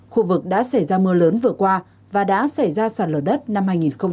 khu vực đã xảy ra mưa lớn vừa qua và đã xảy ra sàn lở đất năm hai nghìn hai mươi